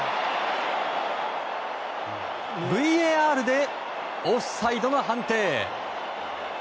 ＶＡＲでオフサイドの判定。